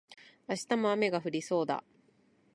明日も雨が降りそうだ